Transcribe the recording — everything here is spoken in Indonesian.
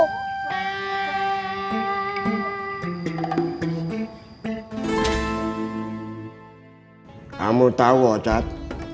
kamu tahu wocat